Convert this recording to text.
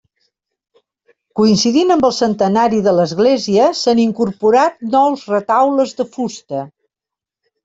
Coincidint amb el centenari de l'Església s'han incorporat nous retaules de fusta.